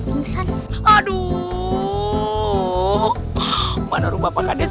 bantuin orang kakek